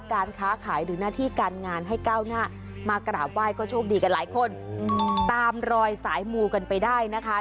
การค้าขายหรือหน้าที่การงานให้ก้าวหน้ามากราบไหว้ก็โชคดีกันหลายคนตามรอยสายมูกันไปได้นะคะ